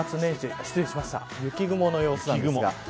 雪雲の様子です。